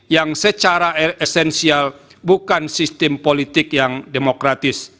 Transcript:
yang secara esensial bukan sistem politik yang demokratis